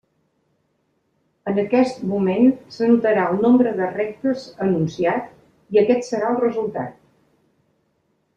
En aquest moment s'anotarà el nombre de rectes anunciat i aquest serà el resultat.